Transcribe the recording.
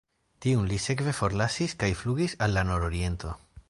Tiun li sekve forlasis kaj flugis al la nororiento.